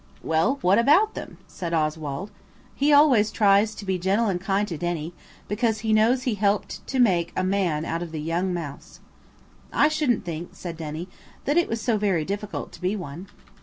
"Well, what about them?" said Oswald. He always tries to be gentle and kind to Denny, because he knows he helped to make a man of the young Mouse. "I shouldn't think," said Denny, "that it was so very difficult to be one."